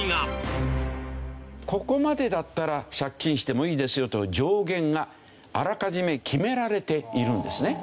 ここまでだったら借金してもいいですよという上限があらかじめ決められているんですね。